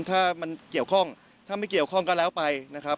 ถ้ามันเกี่ยวข้องถ้าไม่เกี่ยวข้องก็แล้วไปนะครับ